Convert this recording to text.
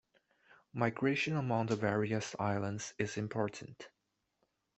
Migration among the various islands is important.